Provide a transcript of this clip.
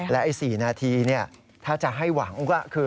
และไอ้๔นาทีถ้าจะให้หวังว่า